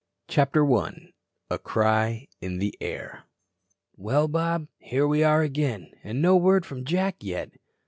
CHAPTER I A CRY IN THE AIR "Well, Bob, here we are again. And no word from Jack yet."